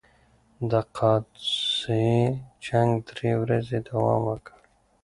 د قادسیې جنګ درې ورځې دوام وکړ.